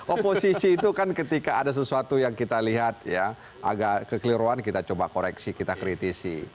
oposisi itu kan ketika ada sesuatu yang kita lihat ya agak kekeliruan kita coba koreksi kita kritisi